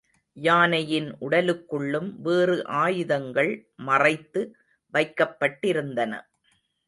யானையின் உடலுக்குள்ளும் வேறு ஆயுதங்கள் மறைத்து வைக்கப்பட்டிருந்தன.